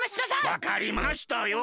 わかりましたよ。